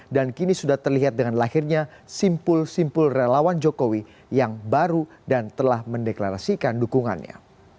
dan kini sudah terlihat dengan lahirnya simpul simpul relawan jokowi yang baru dan telah mendeklarasikan dukungannya